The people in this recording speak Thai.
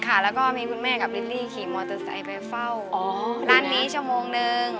แล้วก็มีคุณแม่กับลิลลี่ขี่มอเตอร์ไซค์ไปเฝ้าอ๋อร้านนี้ชั่วโมงนึง